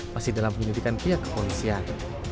masih dalam penyelidikan pihak kepolisian